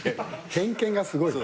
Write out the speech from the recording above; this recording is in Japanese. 偏見がすごい。